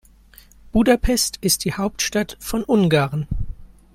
Budapest ist die Hauptstadt von Ungarn.